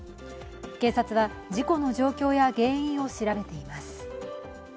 警察は事故の状況や原因を調べています。